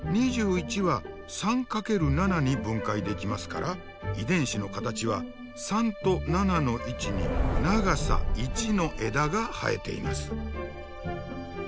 ２１は３×７に分解できますから遺伝子の形は３と７の位置に長さ１の枝が生えています。